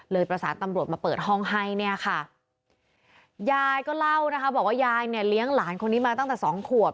ประสานตำรวจมาเปิดห้องให้เนี่ยค่ะยายก็เล่านะคะบอกว่ายายเนี่ยเลี้ยงหลานคนนี้มาตั้งแต่สองขวบ